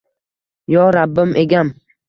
Yo Rabbim Egam